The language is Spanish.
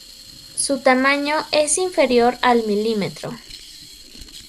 Su tamaño es inferior al milímetro.